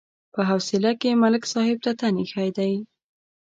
په حوصله کې مې ملک صاحب ته تن ایښی دی.